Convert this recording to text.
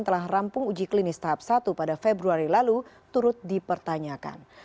telah rampung uji klinis tahap satu pada februari lalu turut dipertanyakan